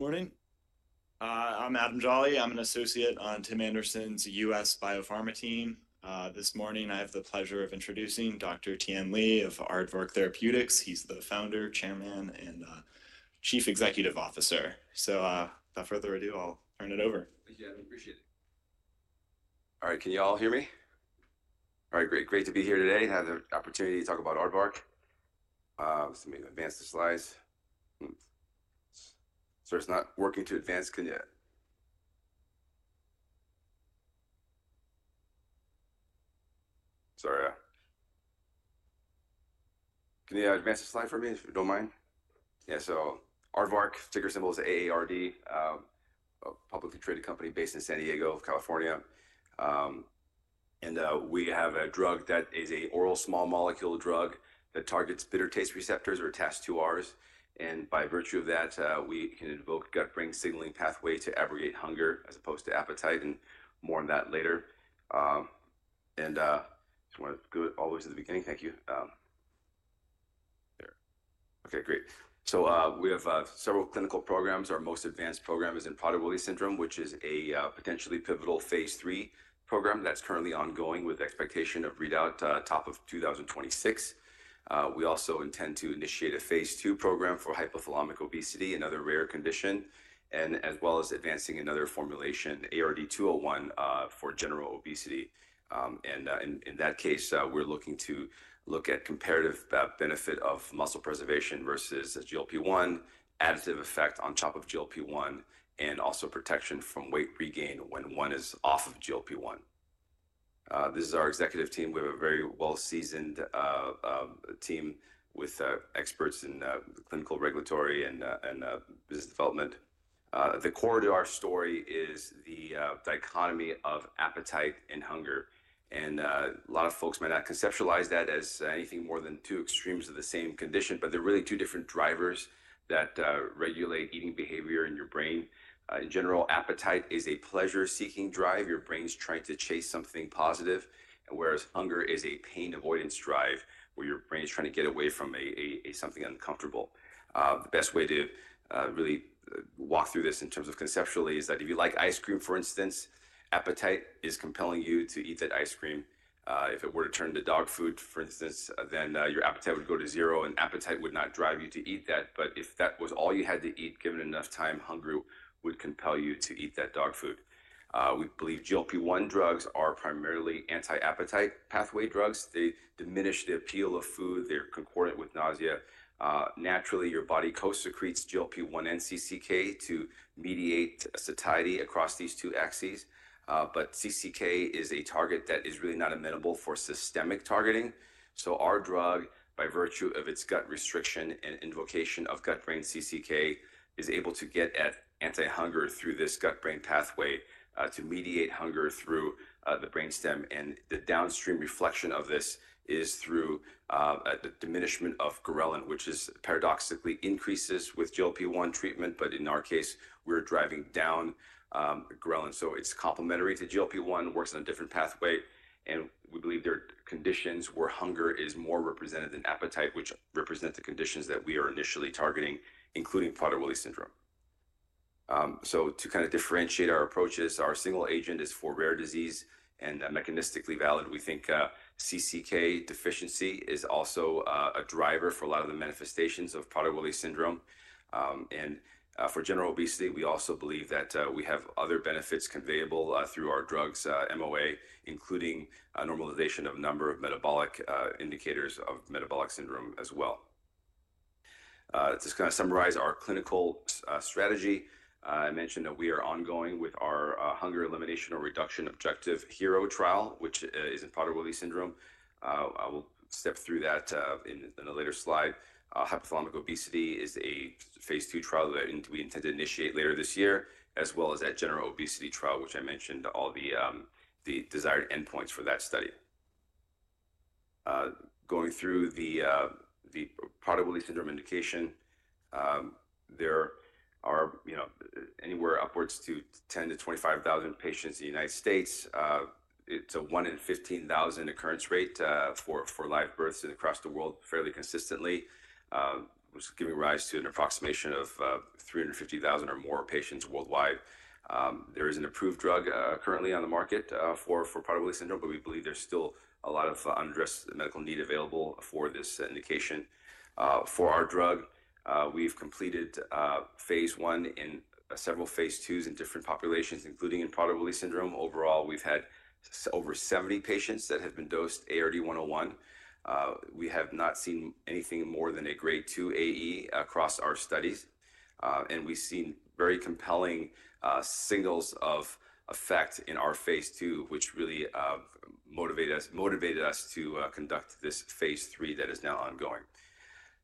Morning. I'm Adam Jolly. I'm an associate on Tim Anderson's U.S. Biopharma team. This morning, I have the pleasure of introducing Dr. Tien Lee of Aardvark Therapeutics. He's the founder, chairman, and Chief Executive Officer. Without further ado, I'll turn it over. Thank you, Adam. Appreciate it. All right. Can you all hear me? All right. Great. Great to be here today and have the opportunity to talk about Aardvark. Let me advance the slides. It's not working to advance. Can you—sorry. Can you advance the slide for me, if you don't mind? Yeah. Aardvark, ticker symbol is AARD, a publicly traded company based in San Diego, California. We have a drug that is an oral small molecule drug that targets bitter taste receptors or attached to ours. By virtue of that, we can invoke gut-brain signaling pathways to abrogate hunger as opposed to appetite, and more on that later. I just want to go all the way to the beginning. Thank you. Okay. Great. We have several clinical programs. Our most advanced program is in Prader-Willi syndrome, which is a potentially pivotal phase III program that's currently ongoing with expectation of readout top of 2026. We also intend to initiate a phase II program for hypothalamic obesity and other rare conditions, as well as advancing another formulation, ARD-201, for general obesity. In that case, we're looking to look at comparative benefit of muscle preservation versus GLP-1, additive effect on top of GLP-1, and also protection from weight regain when one is off of GLP-1. This is our executive team. We have a very well-seasoned team with experts in clinical regulatory and business development. The core to our story is the dichotomy of appetite and hunger. A lot of folks might not conceptualize that as anything more than two extremes of the same condition, but they're really two different drivers that regulate eating behavior in your brain. In general, appetite is a pleasure-seeking drive. Your brain's trying to chase something positive, whereas hunger is a pain-avoidance drive where your brain's trying to get away from something uncomfortable. The best way to really walk through this in terms of conceptually is that if you like ice cream, for instance, appetite is compelling you to eat that ice cream. If it were to turn to dog food, for instance, then your appetite would go to zero, and appetite would not drive you to eat that. If that was all you had to eat, given enough time, hunger would compel you to eat that dog food. We believe GLP-1 drugs are primarily anti-appetite pathway drugs. They diminish the appeal of food. They're concordant with nausea. Naturally, your body co-secretes GLP-1 and CCK to mediate satiety across these two axes. CCK is a target that is really not amenable for systemic targeting. Our drug, by virtue of its gut restriction and invocation of gut-brain CCK, is able to get at anti-hunger through this gut-brain pathway to mediate hunger through the brainstem. The downstream reflection of this is through the diminishment of ghrelin, which paradoxically increases with GLP-1 treatment. In our case, we're driving down ghrelin. It's complementary to GLP-1, works in a different pathway. We believe there are conditions where hunger is more represented than appetite, which represents the conditions that we are initially targeting, including Prader-Willi syndrome. To kind of differentiate our approaches, our single agent is for rare disease and mechanistically valid. We think CCK deficiency is also a driver for a lot of the manifestations of Prader-Willi syndrome. For general obesity, we also believe that we have other benefits conveyable through our drug's MOA, including normalization of a number of metabolic indicators of metabolic syndrome as well. To kind of summarize our clinical strategy, I mentioned that we are ongoing with our Hunger Elimination or Reduction Objective-HERO trial, which is in Prader-Willi syndrome. I will step through that in a later slide. Hypothalamic obesity is a phase II trial that we intend to initiate later this year, as well as that general obesity trial, which I mentioned all the desired endpoints for that study. Going through the Prader-Willi syndrome indication, there are anywhere upwards to 10,000-25,000 patients in the United States. It is a 1 in 15,000 occurrence rate for live births across the world fairly consistently, which is giving rise to an approximation of 350,000 or more patients worldwide. There is an approved drug currently on the market for Prader-Willi syndrome, but we believe there's still a lot of unmet medical need available for this indication. For our drug, we've completed phase one and several phase IIs in different populations, including in Prader-Willi syndrome. Overall, we've had over 70 patients that have been dosed ARD-101. We have not seen anything more than a grade 2 AE across our studies. We've seen very compelling signals of effect in our phase II, which really motivated us to conduct this phase III that is now ongoing.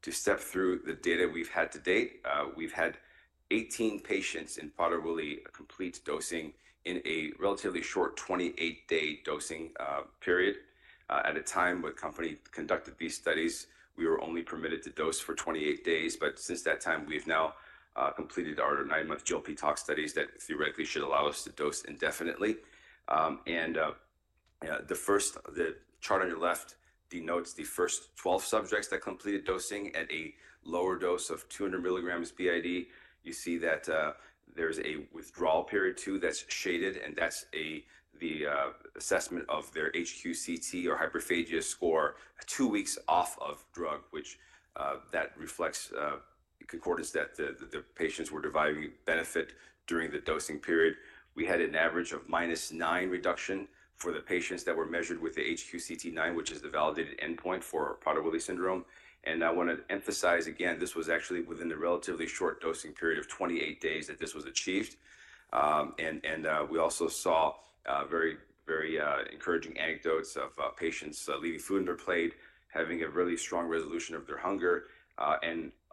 To step through the data we've had to date, we've had 18 patients in Prader-Willi complete dosing in a relatively short 28-day dosing period. At a time when the company conducted these studies, we were only permitted to dose for 28 days. Since that time, we've now completed our nine-month GLP-12 studies that theoretically should allow us to dose indefinitely. The chart on your left denotes the first 12 subjects that completed dosing at a lower dose of 200 milligrams b.i.d. You see that there's a withdrawal period too that's shaded, and that's the assessment of their HQ-CT or hyperphagia score, two weeks off of drug, which reflects concordance that the patients were deriving benefit during the dosing period. We had an average of -9 reduction for the patients that were measured with the HQ-CT 9, which is the validated endpoint for Prader-Willi syndrome. I want to emphasize again, this was actually within the relatively short dosing period of 28 days that this was achieved. We also saw very encouraging anecdotes of patients leaving food in their plate, having a really strong resolution of their hunger.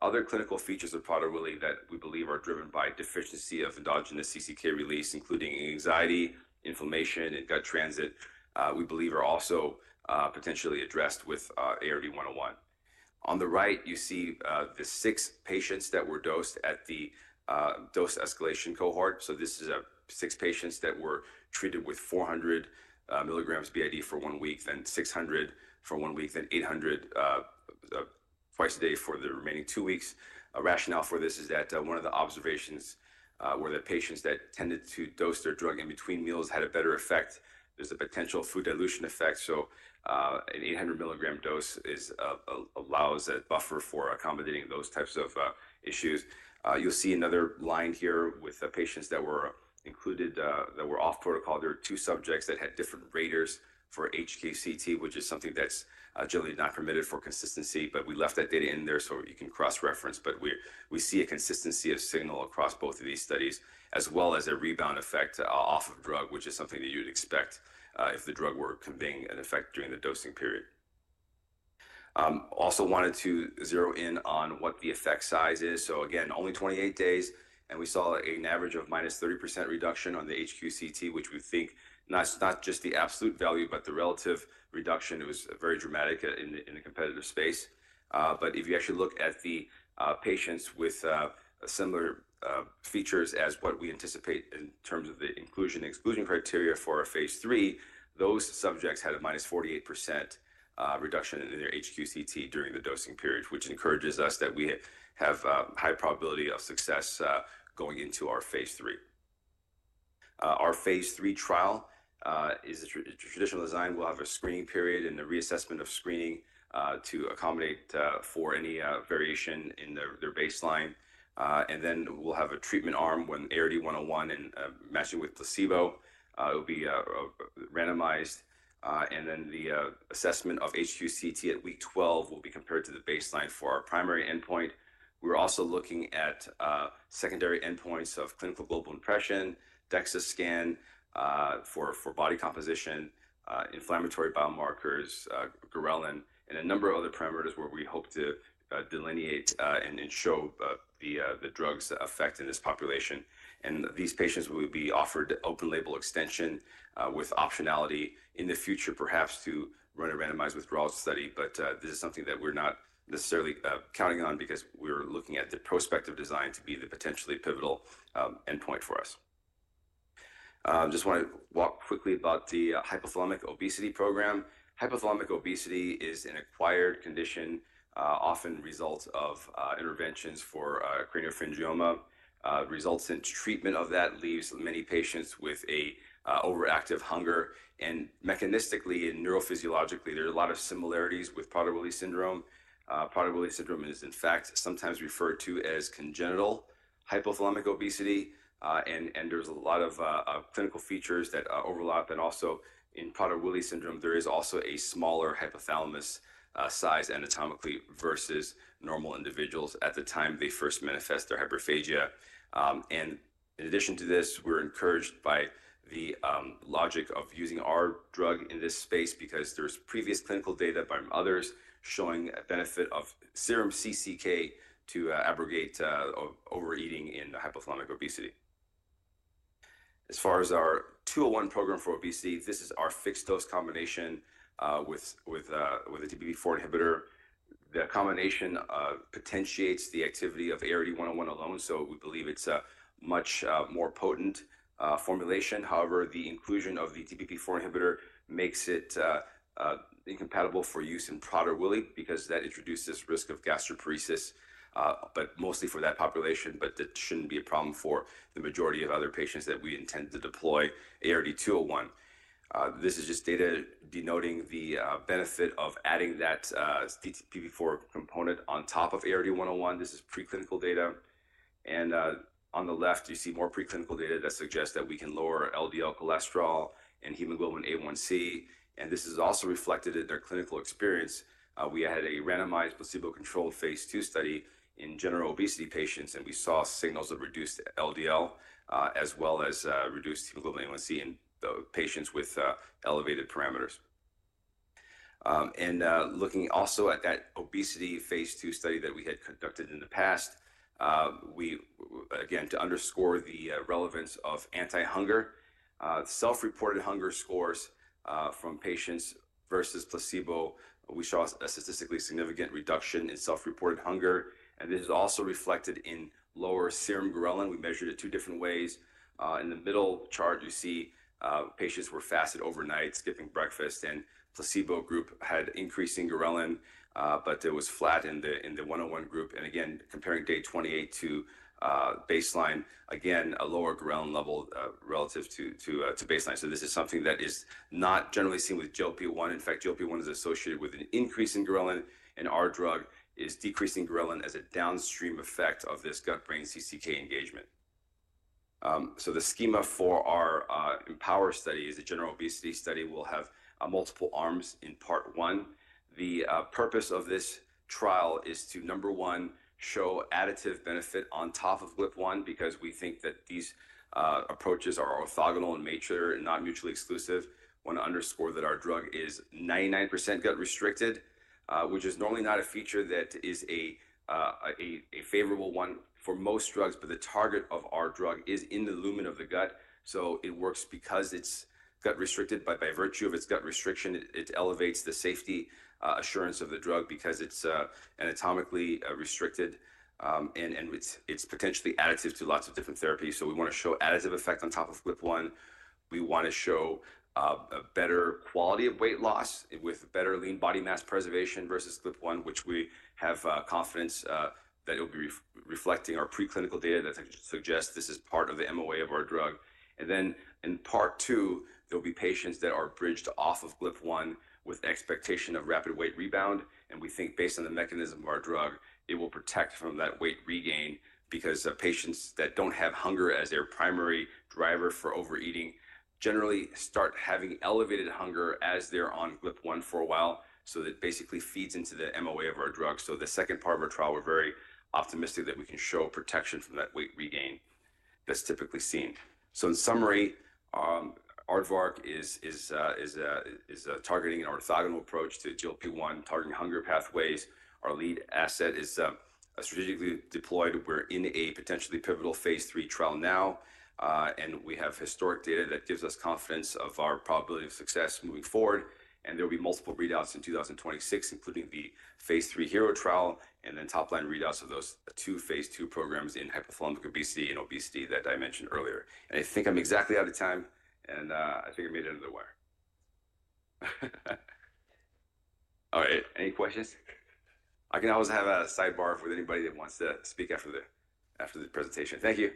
Other clinical features of Prader-Willi that we believe are driven by deficiency of endogenous CCK release, including anxiety, inflammation, and gut transit, we believe are also potentially addressed with ARD-101. On the right, you see the six patients that were dosed at the dose escalation cohort. This is six patients that were treated with 400 milligrams b.i.d. for one week, then 600 for one week, then 800 twice a day for the remaining two weeks. A rationale for this is that one of the observations was that patients that tended to dose their drug in between meals had a better effect. There is a potential food dilution effect. An 800-milligram dose allows a buffer for accommodating those types of issues. You will see another line here with patients that were included that were off protocol. There were two subjects that had different raters for HQ-CT, which is something that's generally not permitted for consistency. We left that data in there so you can cross-reference. We see a consistency of signal across both of these studies, as well as a rebound effect off of drug, which is something that you'd expect if the drug were conveying an effect during the dosing period. Also wanted to zero in on what the effect size is. Again, only 28 days. We saw an average of -30% reduction on the HQ-CT, which we think not just the absolute value, but the relative reduction. It was very dramatic in a competitive space. If you actually look at the patients with similar features as what we anticipate in terms of the inclusion and exclusion criteria for phase III, those subjects had a -48% reduction in their HQ-CT during the dosing period, which encourages us that we have a high probability of success going into our phase III. Our phase III trial is a traditional design. We'll have a screening period and a reassessment of screening to accommodate for any variation in their baseline. Then we'll have a treatment arm with ARD-101 and matching with placebo. It'll be randomized. The assessment of HQ-CT at week 12 will be compared to the baseline for our primary endpoint. We're also looking at secondary endpoints of clinical global impression, DEXA scan for body composition, inflammatory biomarkers, ghrelin, and a number of other parameters where we hope to delineate and show the drug's effect in this population. These patients will be offered open-label extension with optionality in the future, perhaps to run a randomized withdrawal study. This is something that we're not necessarily counting on because we're looking at the prospect of design to be the potentially pivotal endpoint for us. I just want to walk quickly about the hypothalamic obesity program. Hypothalamic obesity is an acquired condition, often a result of interventions for craniopharyngioma. Results in treatment of that leave many patients with an overactive hunger. Mechanistically and neurophysiologically, there are a lot of similarities with Prader-Willi syndrome. Prader-Willi syndrome is, in fact, sometimes referred to as congenital hypothalamic obesity. There is a lot of clinical features that overlap. Also, in Prader-Willi syndrome, there is also a smaller hypothalamus size anatomically versus normal individuals at the time they first manifest their hyperphagia. In addition to this, we're encouraged by the logic of using our drug in this space because there's previous clinical data from others showing the benefit of serum CCK to abrogate overeating in hypothalamic obesity. As far as our 201 program for obesity, this is our fixed dose combination with the DPP-4 inhibitor. The combination potentiates the activity of ARD-101 alone. We believe it's a much more potent formulation. However, the inclusion of the DPP-4 inhibitor makes it incompatible for use in Prader-Willi because that introduces risk of gastroparesis, but mostly for that population. That shouldn't be a problem for the majority of other patients that we intend to deploy ARD-201. This is just data denoting the benefit of adding that DPP-4 component on top of ARD-101. This is preclinical data. On the left, you see more preclinical data that suggests that we can lower LDL cholesterol and hemoglobin A1c. This is also reflected in their clinical experience. We had a randomized placebo-controlled phase II study in general obesity patients, and we saw signals of reduced LDL as well as reduced hemoglobin A1c in the patients with elevated parameters. Looking also at that obesity phase II study that we had conducted in the past, again, to underscore the relevance of anti-hunger, self-reported hunger scores from patients versus placebo, we saw a statistically significant reduction in self-reported hunger. This is also reflected in lower serum ghrelin. We measured it two different ways. In the middle chart, you see patients were fasted overnight, skipping breakfast. The placebo group had increasing ghrelin, but it was flat in the 101 group. Again, comparing day 28 to baseline, there was a lower ghrelin level relative to baseline. This is something that is not generally seen with GLP-1. In fact, GLP-1 is associated with an increase in ghrelin, and our drug is decreasing ghrelin as a downstream effect of this gut-brain CCK engagement. The schema for our EMPOWER study is a general obesity study. We'll have multiple arms in part one. The purpose of this trial is to, number one, show additive benefit on top of GLP-1 because we think that these approaches are orthogonal in nature and not mutually exclusive. I want to underscore that our drug is 99% gut-restricted, which is normally not a feature that is a favorable one for most drugs. The target of our drug is in the lumen of the gut. It works because it's gut-restricted. By virtue of its gut restriction, it elevates the safety assurance of the drug because it's anatomically restricted. It's potentially additive to lots of different therapies. We want to show additive effect on top of WIP1. We want to show a better quality of weight loss with better lean body mass preservation versus WIP1, which we have confidence that it'll be reflecting our preclinical data that suggests this is part of the MOA of our drug. In part two, there'll be patients that are bridged off of WIP1 with expectation of rapid weight rebound. We think based on the mechanism of our drug, it will protect from that weight regain because patients that do not have hunger as their primary driver for overeating generally start having elevated hunger as they are on WIP1 for a while. That basically feeds into the MOA of our drug. The second part of our trial, we are very optimistic that we can show protection from that weight regain that is typically seen. In summary, Aardvark is targeting an orthogonal approach to GLP-1, targeting hunger pathways. Our lead asset is strategically deployed. We are in a potentially pivotal phase III trial now. We have historic data that gives us confidence of our probability of success moving forward. There will be multiple readouts in 2026, including the phase III HERO trial and then top-line readouts of those two phase II programs in hypothalamic obesity and obesity that I mentioned earlier. I think I'm exactly out of time. I figure I made it into the wire. All right. Any questions? I can always have a sidebar with anybody that wants to speak after the presentation. Thank you.